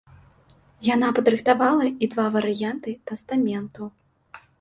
Яна падрыхтавала і два варыянты тастаменту.